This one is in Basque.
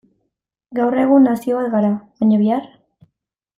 Gaur egun nazio bat gara, baina bihar?